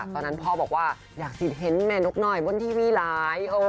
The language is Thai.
ตอนนั้นพ่อบอกว่าอยากติดเห็นแม่นกหน่อยบนทีวีหลาย